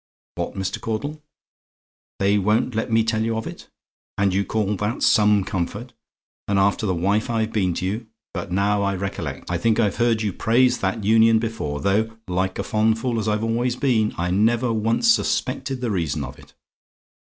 What, Mr. Caudle? "THEY WON'T LET ME TELL YOU OF IT? "And you call that 'some comfort'? And after the wife I've been to you! But now I recollect. I think I've heard you praise that Union before; though, like a fond fool as I've always been, I never once suspected the reason of it.